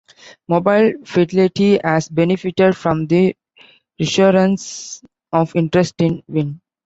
Mobile Fidelity has benefited from the resurgence of interest in vinyl.